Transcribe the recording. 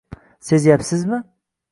Sezyapsizmi?